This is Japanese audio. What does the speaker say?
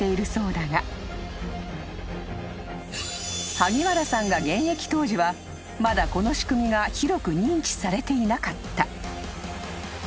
［萩原さんが現役当時はまだこの仕組みが広く認知されていなかった］